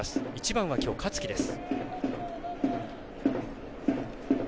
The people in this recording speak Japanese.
１番は、きょう香月です。